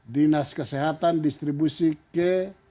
dinas kesehatan distribusi ke